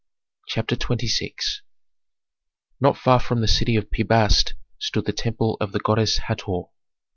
CHAPTER XXVI Not far from the city of Pi Bast stood the temple of the goddess Hator.